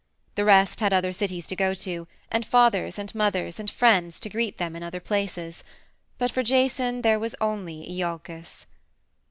The rest had other cities to go to, and fathers and mothers and friends to greet them in other places, but for Jason there was only Iolcus.